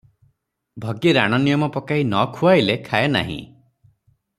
ଭଗି ରାଣ ନିୟମ ପକାଇ ନ ଖୁଆଇଲେ ଖାଏ ନାହିଁ ।